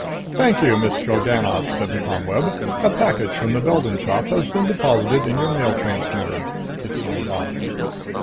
"Thank you, Miss Drellgannoth," said the ComWeb. "A package from the Beldon Shop has been deposited in your mail transmitter." It signed off.